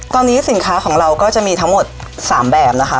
ตอนนี้สินค้าของเราก็จะมีทั้งหมด๓แบบนะคะ